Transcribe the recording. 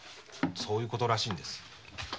そういうことらしいんです。